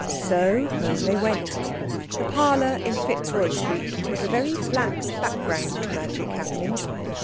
So home they went. The parlour in Fitzroy Street was a very flat background to magic happenings.